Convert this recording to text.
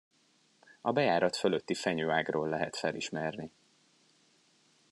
A bejárat fölötti fenyőágról lehet felismerni.